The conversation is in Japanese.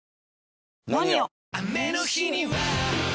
「ＮＯＮＩＯ」！